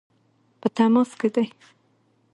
په تماس کې دي.